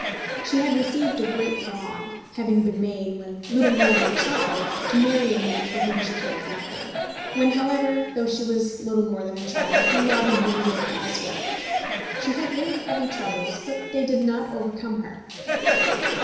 She had received a great wrong, having been made, when little more than a child, to marry a man for whom she cared nothing; when, however, though she was little more than a child, her love had been given elsewhere. She had very heavy troubles, but they did not overcome her.